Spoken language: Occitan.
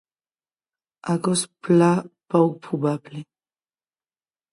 Qu'ei plan pòc probable.